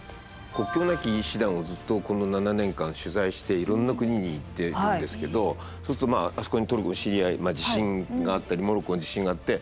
国境なき医師団をずっとこの７年間取材していろんな国に行ってるんですけどそうするとまああそこにトルコシリアの地震があったりモロッコの地震があって。